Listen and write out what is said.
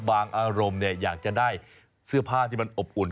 อารมณ์อยากจะได้เสื้อผ้าที่มันอบอุ่น